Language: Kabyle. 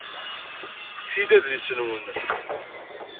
Fket-iyi-d adlis-nwen.